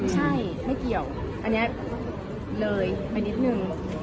ใช่ไม่เกี่ยวอันนี้เลยไปนิดนึง